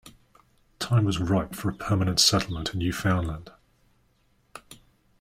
Time was ripe for a permanent settlement in Newfoundland.